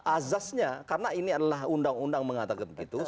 azasnya karena ini adalah undang undang mengatakan begitu